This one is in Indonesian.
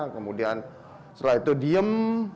kemudian setelah itu diem